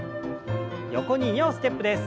横に２歩ステップです。